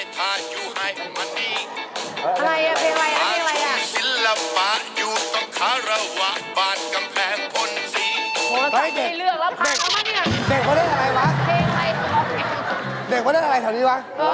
ชีวิตดี